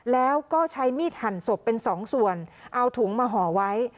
แล้วก็ใช้มีดหั่นศพเป็นสองส่วนเอาถุงมาห่อไว้